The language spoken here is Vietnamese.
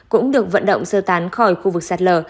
cũng được vận động sơ tán khỏi khu vực sát lờ